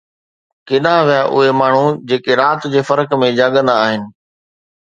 ڪيڏانهن ويا اهي ماڻهو جيڪي رات جي فرق ۾ جاڳندا آهن؟